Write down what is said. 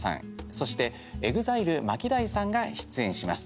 そして、ＥＸＩＬＥＭＡＫＩＤＡＩさんが出演します。